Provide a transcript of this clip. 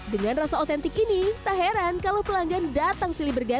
dengan rasa otentik ini tak heran kalau pelanggan datang silih berganti